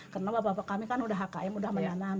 karena bapak bapak kami kan sudah hkm sudah menanam